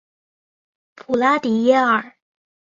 普拉迪耶尔。